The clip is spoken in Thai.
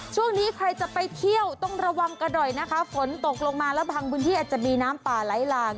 ช่วงนี้ใครจะไปเที่ยวต้องระวังกันหน่อยนะคะฝนตกลงมาแล้วบางพื้นที่อาจจะมีน้ำป่าไหลหลาก